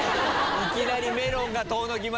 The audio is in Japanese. いきなりメロンが遠のきました。